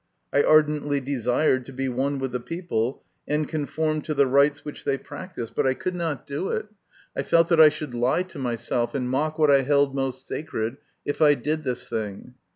I ardently desired to be one with the people, and conform to the rites which they practised, but I could not do it. I felt that I should lie to myself, and mock what I held most sacred, if I did this thing.